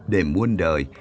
để muôn đời